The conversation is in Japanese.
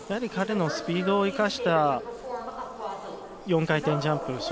彼のスピードを生かした４回転ジャンプ。